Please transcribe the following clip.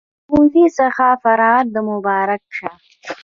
له ښوونځي څخه فراغت د مبارک شه